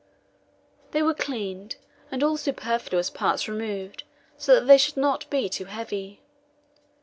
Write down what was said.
They were cleaned and all superfluous parts removed, so that they should not be too heavy.